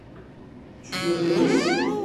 Tu joues au tennis ?